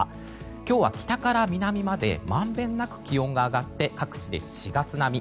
今日は北から南までまんべんなく気温が上がって各地で４月並み。